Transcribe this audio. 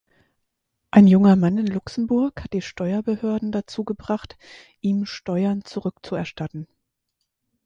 Ein junger Mann in Luxemburg hat die Steuerbehörden dazu gebracht, ihm Steuern zurückzuerstatten.